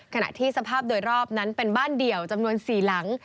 ขณะที่สภาพโดยรอบนั้นเป็นบ้านเดี่ยวจำนวน๔หลัง